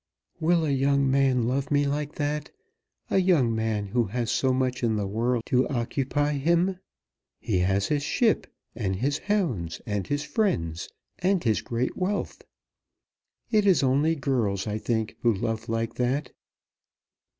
"Will a young man love me like that; a young man who has so much in the world to occupy him? He has his ship, and his hounds, and his friends, and his great wealth. It is only girls, I think, who love like that."